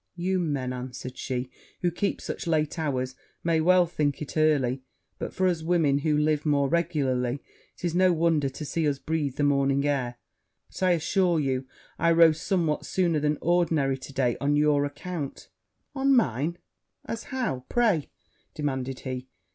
'You men,' answered she, 'who keep such late hours, may well think it early; but for us women, who live more regularly, it is no wonder to see us breathe the morning air: but I assure you I rose somewhat sooner than ordinary to day on your account.' 'On mine! As how, pray?' demanded he.